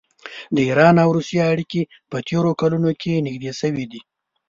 د ایران او روسیې اړیکې په تېرو کلونو کې نږدې شوي دي.